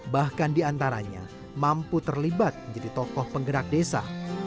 bahkan diantaranya mampu terlibat menjadi tokoh penggerak desa